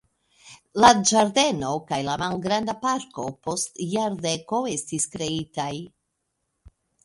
La ĝardeno kaj la malgranda parko post jardekoj estis kreitaj.